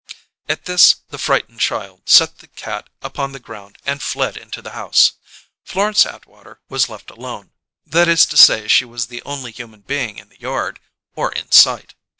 At this, the frightened child set the cat upon the ground and fled into the house. Florence Atwater was left alone; that is to say, she was the only human being in the yard, or in sight.